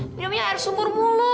minumnya air sumur mulu